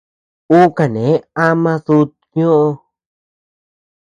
Uu kanee ama duutu ñoʼo.